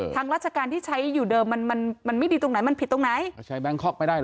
ทางราชการที่ใช้อยู่เดิมมันมันไม่ดีตรงไหนมันผิดตรงไหนก็ใช้แบงคอกไม่ได้เหรอ